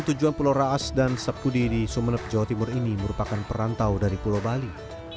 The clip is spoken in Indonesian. tujuan pulau raas dan sabkudi di sumeneb jawa timur ini merupakan perantau dari pulau bali